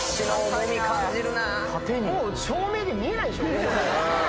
もう照明で見えないでしょ。